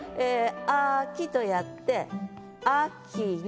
「あき」とやって「あきの」。